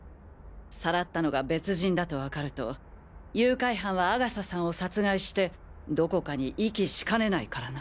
さらったのが別人だとわかると誘拐犯は阿笠さんを殺害してどこかに遺棄しかねないからな。